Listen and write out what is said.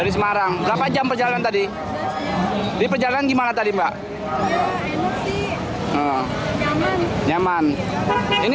sudah berapa kali ikut mudik gratis ini